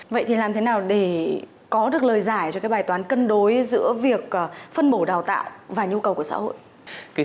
vậy thì làm thế nào để có được lời giải cho cái bài toán cân đối giữa việc phân bổ đào tạo và nhu cầu của xã hội